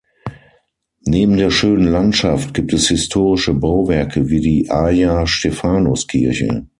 Neben der schönen Landschaft gibt es historische Bauwerke wie die Aya-Stefanos-Kirche.